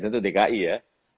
itu dki ya